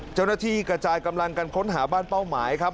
เจ้าหน้าที่กระจายกำลังกันค้นหาบ้านเป้าหมายครับ